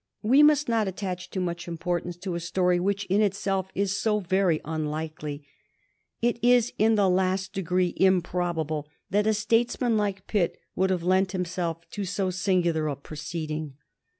We must not attach too much importance to a story which in itself is so very unlikely. It is in the last degree improbable that a statesman like Pitt would have lent himself to so singular a proceeding.